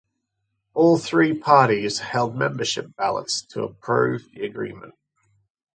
All three parties held membership ballots to approve the agreement.